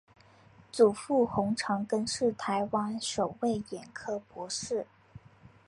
祖父洪长庚是台湾首位眼科博士。